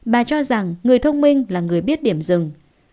bà cho rằng người thông minh là người biết điểm dừng